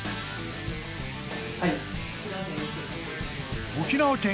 はい。